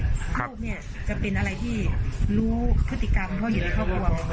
ลูกเนี่ยจะเป็นอะไรที่รู้พฤติกรรมเขาอยู่ในครอบครัว